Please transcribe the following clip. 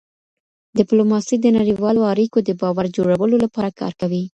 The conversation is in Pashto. ډيپلوماسي د نړیوالو اړیکو د باور جوړولو لپاره کار کوي.